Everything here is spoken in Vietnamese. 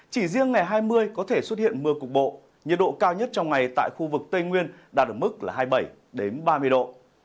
chỉ riêng ngày hai mươi có thể xuất hiện mưa cục bộ nhiệt độ cao nhất trong ngày tại khu vực tây nguyên đạt ở mức hai mươi bảy ba mươi độ